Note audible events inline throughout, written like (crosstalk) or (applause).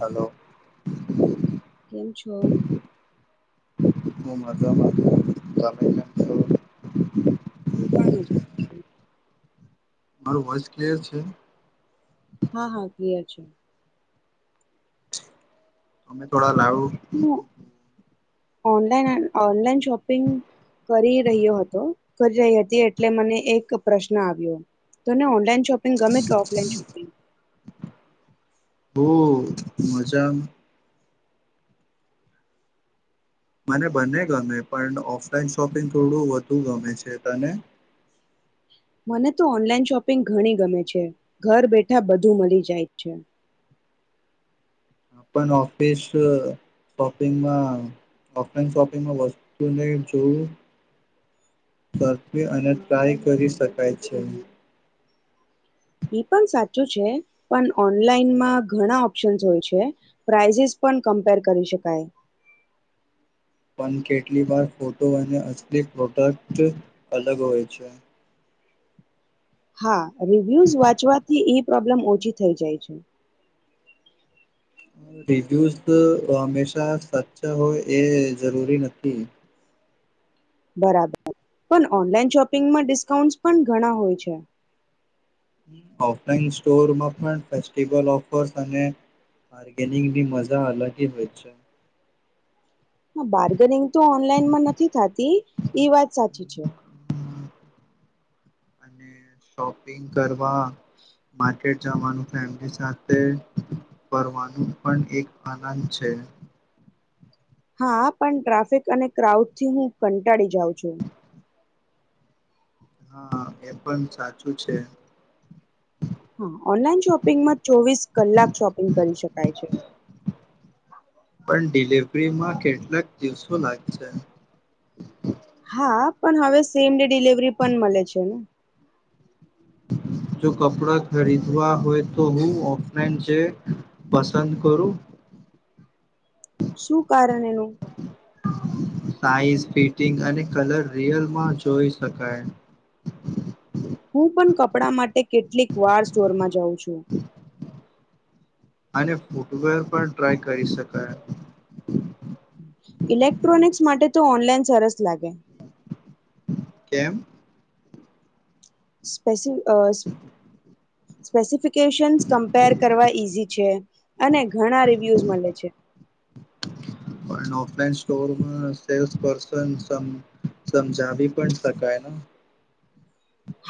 Hello. કેમ છો? બેન મજામાં. તમેં કેમ છો? હું પણ એ જ છુ. મારો વસ કે છે. હા, હા, કિયે છે. અમે થોડા લાવું હું ઓનલાઈન એન ઓનલાઈન શોપિંગ કરી રહ્યો હતો, કરી રહી હતી, એટલે મને એક પ્રશ્ન આવ્યો. તને ઓનલાઈન શોપિંગ ગમે કે ઓફલાઈન શોપિંગ. હઉહ મજામ. મને બંને ગમે પણ ઓફલાઈન શોપિંગ થોડું વધુ ગમે છે, તને? મને તો ઓનલાઈન શોપિંગ ઘણી ગમે છે, ઘર બેઠા બધું મળી જાય છે. પણ ઓફિસ અ શોપિંગમાં ઓફલાઈન શોપિંગમાં વસ્તુને જોયી ધક્કે અને ટ્રાય કરી શકાય છે. એ પન સાચું છે, પન ઓનલાઈનમાં ઘના ઓપ્શન્સ હોય છે, પ્રાઇઝીસ પણ કમ્પેર કરી શકાય. પન કેટલીક વાર ફોટો અને અસલી પ્રોટક્ટ છે, અલગ હોય છે. હા. રિવ્યુઝ વાંચવાથી ઈ પ્રોબ્લમ ઓછી થઈ જાય છે. રિવ્યુઝ તો હંમેશા સાચ્ચા હોય એ જરૂરી નથી. બરાબર, પન ઓનલાઈન શોપિંગમાં ડિસ્કાઉન્ટસ પન ઘણા હોય છે. ઓફલાઈન સ્ટોરમાં પણ ફેસ્ટિવલ ઓફર્સ અને બાર્ગેનિંગની મજા અલગેજ હોય છે. હા, બાર્ગનિંગ તો ઓનલાઈનમાં નથી થાતી, ઈ વાત સાચી છે. અને શોપિંગ કરવા માર્કેટ જવાનું ફેમિલી સાથે ફરવાનું પણ એક આનંદ છે. હા, પન ટ્રાફિક અને ક્રાઉડથી હું કંટાળી જાઉં છું. હા, એ પન સાચું છે. હા, ઓનલાઈન શોપિંગમાં ચોવીસ કલાક શોપિંગ કરી શકાય છે. પન ડિલેવરીમાં કેટલાક દિવસો લાગશે. હા, પન હવે સેમ ડે ડિલેવરી પન મલે છે. જો કપડાં ખરીદવા હોય તો હું ઓફલાઈન જે પસંદ કરુ શું કારણ એનું સાઈઝ ફિટિંગ અને કલર રિયલમાં જોઈ શકાય. હું પન કપડાં માટે કેટલીક વાર સ્ટોરમાં જાઉં છું. અને ફૂટવેર પણ ટ્રાય કરી શકાય. ઇલેક્ટ્રોનિક્સ માટે તો ઓનલાઈન સરસ લાગે. કેમ? સ્પેસી અ સ્પેસિફિક કેસન્સ કમ્પેર કરવા ઈઝી છે અને ઘણા રિવ્યુઝ મળે છે. મેન સ્ટોર સેલ્સર્ન સમજાવી પણ શકાય ને.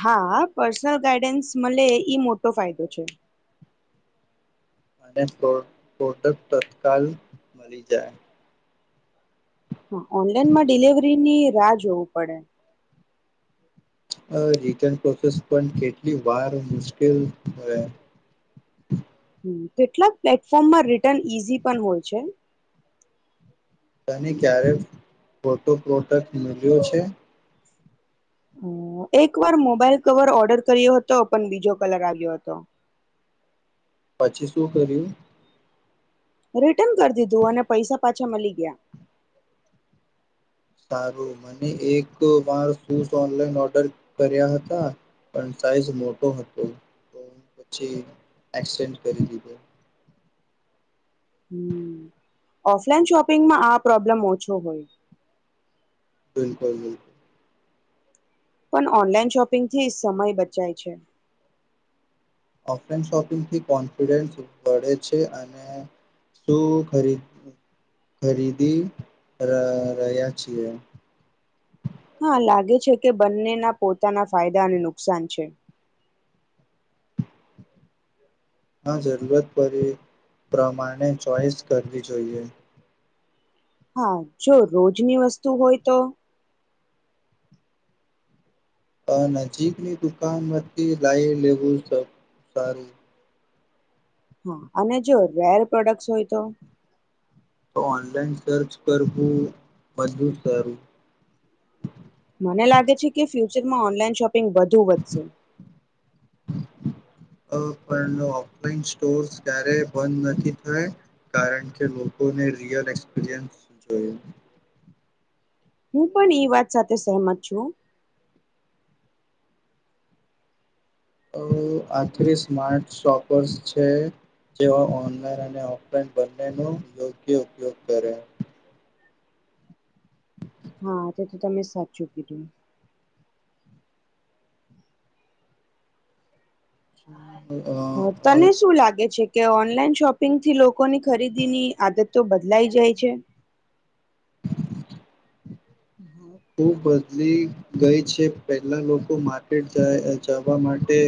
હા પર્સનલ ગાઈડન્સ મલે ઈ મોટો ફાયદો છે. અને પ્રોડક્ટ તત્કાલ મળી જાય. હા ઓનલાઈનમાં ડિલવરી ની રાહ જોવું પડે. હ રિટર્ન પ્રોસેસ પણ કેટલી વાર મુશ્કેલ. કેટલાક પ્લેટફોર્મમાં રિટર્ન ઈઝી પણ હોય છે. ની ક્યારે ખોટો પ્રોડક્ટ મલ્યો છે. અ એક વાર મોબાઈલ કવર ઓર્ડર કર્યો હતો પણ બીજો કલર આવ્યો હતો. પછી શું કર્યું? રિટર્ન કરી દીધું અને પૈસા પાછા મલી ગયા. સારું મને એક વાર શૂઝ ઓનલાઈન ઓર્ડર કર્યા હતા પણ સાઈઝ મોટો હતો તો પછી એક્સેન્ડ કરી દીધો. હમ, ઓફલાઈન શોપિંગમાં આ પ્રોબ્લેમ ઓછો હોય બિલકુલ બિલકુલ. પણ ઓનલાઈન શોપિંગથી સમય બચાય છે. ઓફલાઇન શોપિંગથી કોન્ફિડન્સ વળે છે અને શું ખરીદી રહ્યા છીએ. હા લાગે છે કે બંનેના પોતાના ફાયદા અને નુકસાન છે. હ જરૂરત પર પ્રમાણે ચોઈસ કરવી જોઈએ. હા જો રોજની વસ્તુ હોય તો અ નજીકની દુકાનમાંથી લાઈ લેવું સારું. હા અને જો રેર પ્રોડક્ટ હોય તો તો ઓનલાઈન સર્ચ કરવું મજબુત કરું. મને લાગે છે કે ફ્યુચરમાં ઓનલાઈન શોપ પિંગ વધુ વધશે. અ પણ ઓફલાઈન સ્ટોર્સ ક્યારેય બંધ નથી થયા કારણ કે લોકોને રિયલ એક્સપિરિયન્સ જોયું. હું પણ એઈ વાત સાથે સહમત છું. અ આખરી સ્માર્ટ શોપર્સ છે જેઓ ઓનલાઈન અને ઓફલાઈન બંનેનો યોગ્ય ઉપયોગ કરે. હા તો ત તમે સાચું કીધું. હમ. હ તને શું લાગે છે? કે ઓનલાઈન શોપિંગ થી લોકોની ખરીદી ની આદતો બદલાઈ જાય છે. ખુબ બદલી ગઈ છે પેલા લોકો માર્કેટ જાય જવા માટે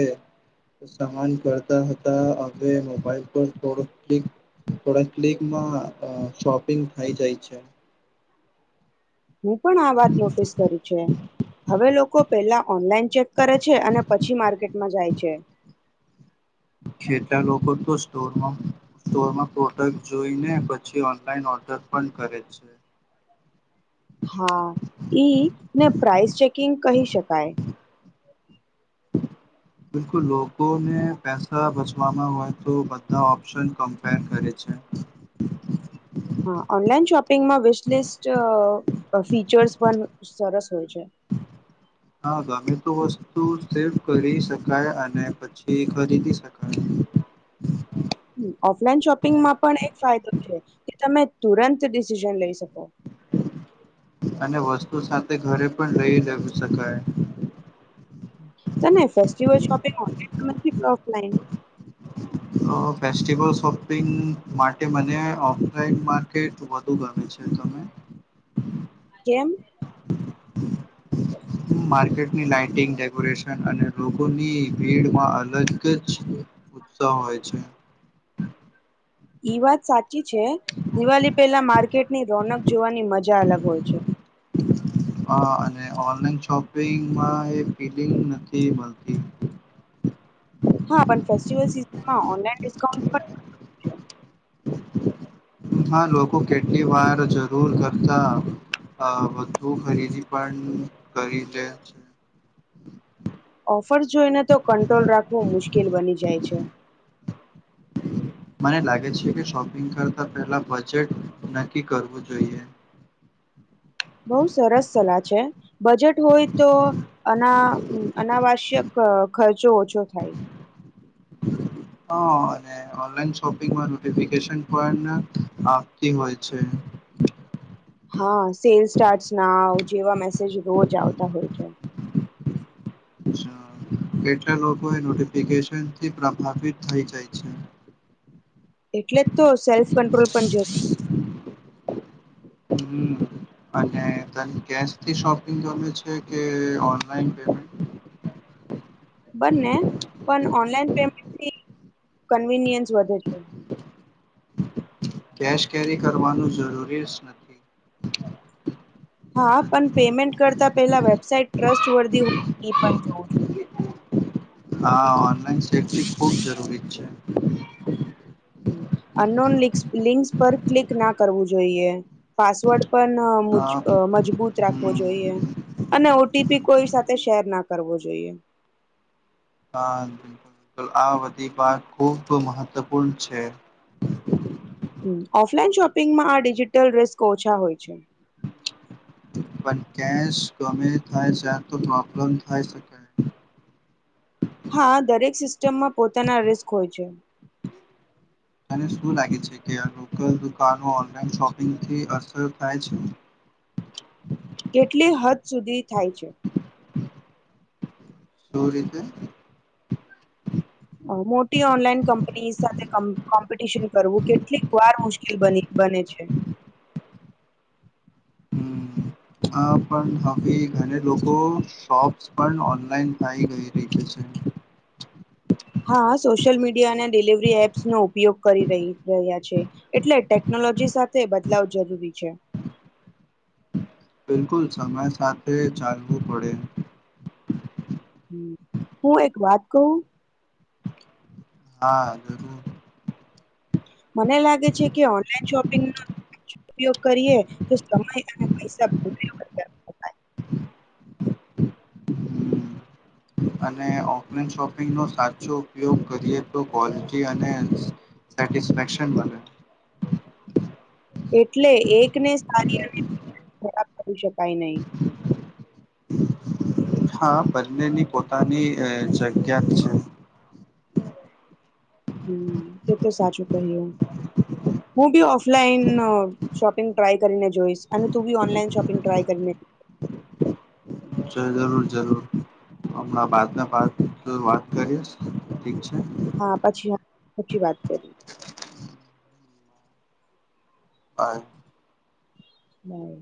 સામાન કરતા હતા અવે મોબાઈલ પર થો ક્લિક થોડા ક્લિકમાં શોપિંગ થઈ જાય છે. હું પણ આ વાત નોટિસ કરુ છે. હવે લોકો પહેલા ઓનલાઈન ચેક કરે છે અને પછી માર્કેટમાં જાય છે. ખેટા લોકો તો સ્ટોરમાં સ્ટોરમાં પ્રોડક્ટ જોઈને પછી ઓનલાઈન ઓર્ડર પણ કરે છે. હા ઈ ને પપ્રાઇસ ચેકિંગ કહી શકાય. બિલકુલ લોકોને પૈસા બચવામાં હોય તો બધા ઓપ્શન કમ્પેર કરે છે. પિંગ મા વેસ્ટલિસ્ટ ફીચર્સ પણ સરસ હોય છે. હા ગમે તો વસ્તુ સિફ કરી શકાય અને પછી ખરીદી શકાય. હમ, ઓફલાઈન શોપિંગમાં પણ એક ફાયદો છે કે તમે તુરંત ડિસિઝન લઈ શકો અને વસ્તુ સાથે ઘરે પણ રહી શકાય તો મે ફેસ્ટિવલ શોપિંગ ઓનલાઈન કરો કે ઓફલાઈન ફેસ્ટિવલ શોપિંગ માટે મને ઓફલાઈન માર્કેટ વધુ ગમે છે તમે કેમ માર્ટની લાઇટિંગ ડેકોરેશન અને લોકોની ભીડમાં અલગ જ ઉ ઉત્સા હોય છે. ઈ વાત સાચી છે દિવાળી પહેલા માર્કેટની રોનક જોવાની મજા અલગ હોય છે. હા અને ઓનલાઈન શોપિંગમાં એ ફીલિંગ નથી મળતી. હા પણ ફેસ્ટિવલ સીઝનમાં ઓનલાઇન ડિસ્કાઉન્ટ પણ મળે છે હા લોકો કેટલી વાર જરૂર કરતા અ વધુ ખરીદી પણ કરી દે છે. ઓફરસ જોઈને તો કંટ્રોલ રાખવું મુશ્કેલ બની જાય છે. મને લાગે છે કે શોપિંગ કરતાં પહેલા બજેટ નક્કી કરવું જોઈએ. બહુ સરસ સલાહ છે બજેટ હોય તો અના અનાવશ્યક ખર્ચો ઓછો થાય. હ ઓનલાઇન શોપિંગ મા નોટફિકેશન પણ આવતી હોય છે. હા સેલ સ્ટાર્ટ ના જેવા મેસેજ રોજ આવતા હોય છે. અચ્છા કેટલા લોકો એ નોટિફિકેશનથી પ્રભાવિત થઈ જાય છે. એટલે. તો સેલ્ફ કંટ્રોલ પણ જરૂરી હમ્મ અને તને કેશથી શોપિંગ ગમે છે કે ઓનલાઈન પેમેન્ટ બંને પણ ઓનલાઈન પેમેન્ટથી કન્વીનિયન્સ વધે છે. કેશ કેરી કરવાનું જરૂરી જ નથી. હા પણ પેમેન્ટ કરતા પહેલા વેબસાઇટ ટ્રસ્ટ વર્ધી હો એ પણ જોવું જોઈએ. હા ઓનલાઈન સેફ્ટી ખુબ જરૂરી છે. અન્નોન લિંસ લિંક પર ક્લિક ના કરવું જોઈએ પાસવર્ડ પણ મુજ હા મજબૂત રાખવો જોઈએ હમ અને ઓટીપી કોઈ સાથે શેર ના કરવો જોઈએ. હા બિલકુલ બિલકુલ આ બધી બાત ખૂબ મહત્વપૂર્ણ છે. હ ઓફલાઈન શોપિંગમાં આ ડિજિટલ રેસ્ક ઓછા હોય છે. પણ કેશ ગમે થાય જાય તો પ્રોબ્લેમ થઈ શકે. હા દરેક સિસ્ટમમાં પોતાના રિસ્ક હોય છે. મને શું લાગે છે કે આ લોકલ દુકાનો ઓનલાઈન શોપિંગથી અસર થાય છે. કેટલી હદ સુધી થાય છે. શું રીતે. મોટી ઓનલાઈન કંપની સાથે કોમ્પિટિશન કરવું કેટલીક વાર મુશ્કેલી કેલ બની બને છે. હવા પણ હવે ઘણે લોકો શોપ્સ પણ ઓનલાઈન થઇ ગઈ રહી છે. હા સોશિયલ મીડિયા અને ડિલિવરી એપ્સનો ઉપયોગ કરી રહી રહ્યા છે એટલે ટેકનોલોજી સાથે બદલાવ જરૂરી છે. બિલકુલ સમય સાથે ચાલવું પડે. હું એક વાત કહું. હા જરૂર. મને લાગે છે કે ઓનલાઈન શોપિંગ નો ઉપયોગ કરીએ તો સમય અને પૈસા (inaudible) હમ અને ઓફલાઈન શોપિંગનો સાચો ઉપયોગ કરીએ તો ક્વોલિટી અને સેટિસ્ફેક્શન બને. એટલે એકને સારી ર ખરાબ કરી શકાય નહી. હા બંનેની પોતાની અહ જગ્યા છે. હમ્મ, તો તો સાચું કહીય હું બી ઓફલાઈન અહ શોપિંગ ટ્રાય કરીને જોઈશ અને તું બી ઓનલાઈન શોપિંગ ટ્રાય કરીને ચલ જરૂર જરૂર હમણા બાત મેં બાત વાત કરીએ ઠીક છે. હા, પછી આ પછી વાત કર હા. ના એ